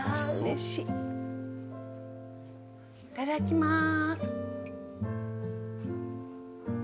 いただきます。